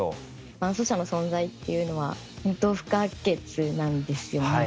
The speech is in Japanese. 伴走者の存在っていうのは本当不可欠なんですよね。